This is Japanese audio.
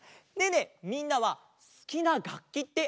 みんなはすきながっきってある？